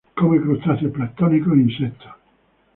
Come crustáceos planctónicos e insectos.